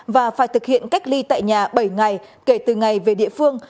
và phải thực hiện cách ly tại nhà bảy ngày kể từ ngày về địa phương